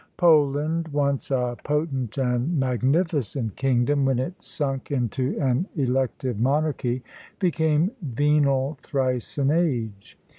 Poland, once a potent and magnificent kingdom, when it sunk into an elective monarchy, became "venal thrice an age."